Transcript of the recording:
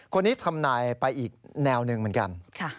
คนนี้ทำนายไปอีกแนวหนึ่งเหมือนกัน